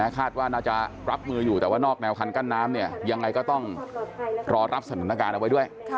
คาดว่าน่าจะรับมืออยู่แต่ว่านอกแนวคันกั้นน้ำเนี่ยยังไงก็ต้องรอรับสถานการณ์เอาไว้ด้วย